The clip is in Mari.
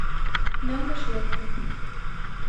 Мӧҥгеш лекте.